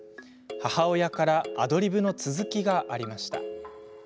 母親からアドリブの続きがありました。